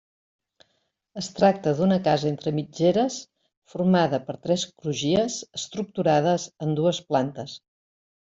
Es tracta d'una casa entre mitgeres, formada per tres crugies estructurades en dues plantes.